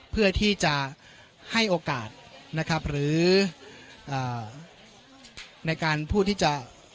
เพื่อที่จะให้โอกาสนะครับหรือในการพูดที่จะ